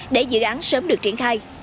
để dự án sớm được triển khai